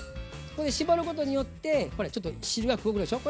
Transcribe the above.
ここで絞ることによってほらちょっと汁が黒くなるでしょ。